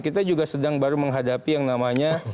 kita juga sedang baru menghadapi yang namanya